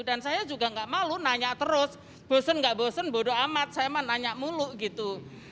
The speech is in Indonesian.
dan saya juga gak malu nanya terus bosen gak bosen bodo amat saya mah nanya mulu gitu